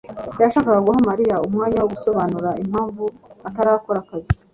yashakaga guha Mariya umwanya wo gusobanura impamvu atarakora akazi.